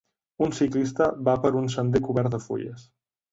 Un ciclista va per un sender cobert de fulles.